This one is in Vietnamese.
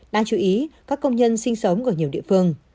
đáng chú ý các công nhân sinh sống ở nhiều địa phương